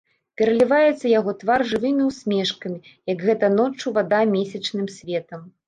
Пераліваецца яго твар жывымі ўсмешкамі, як гэта ноччу вада месячным светам.